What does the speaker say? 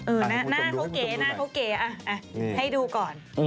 อือหน้าเขาเก๋อ่ะให้ดูก่อน